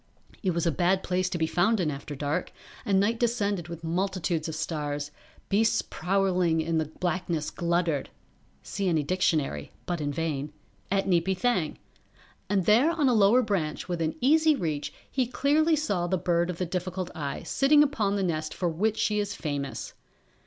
It was a bad place to be found in after dark, and night descended with multitudes of stars, beasts prowling in the blackness gluttered [See any dictionary, but in vain.] at Neepy Thang. And there on a lower branch within easy reach he clearly saw the Bird of the Difficult Eye sitting upon the nest for which she is famous.